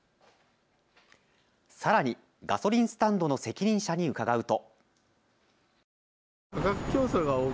さらにガソリンスタンドの責任者に伺うと。